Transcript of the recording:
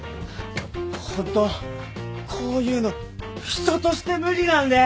ホントこういうの人として無理なんで！